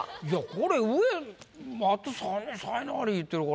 これ上あと才能アリいってるから。